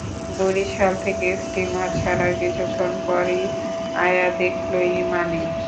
বরিশাল থেকে স্টিমার ছাড়ার কিছুক্ষণ পরই আয়া দেখল, ইমা নেই।